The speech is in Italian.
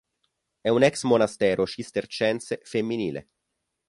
È un ex-monastero cistercense femminile.